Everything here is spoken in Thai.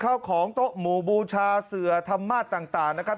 ข้าวของโต๊ะหมู่บูชาเสือธรรมาศต่างนะครับ